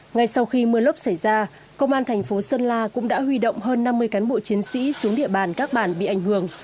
ngay sau khi mưa lốc xảy ra công an thành phố sơn la cũng đã huy động hơn năm mươi cán bộ chiến sĩ xuống địa bàn các bản bị ảnh hưởng